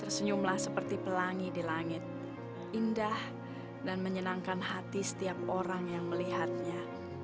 tersenyumlah seperti pelangi di langit indah dan menyenangkan hati setiap orang yang melihatnya